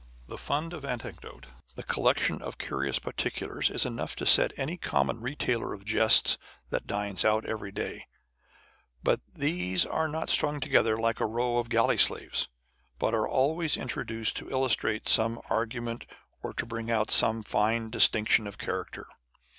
The fund of anecdote, the collection of curious particulars, is enough to set up any common retailer of jests that dines out every day ; but these are not strung together like a row of galley slaves, but are always introduced to illustrate some argument or bring out some fine distinc tion of character.